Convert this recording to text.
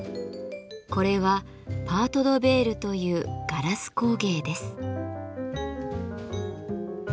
これはパート・ド・ヴェールというガラス工芸です。